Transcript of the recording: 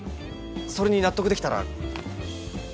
それに納得できたらこれを。